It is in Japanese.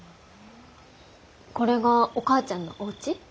これがお母ちゃんのおうち？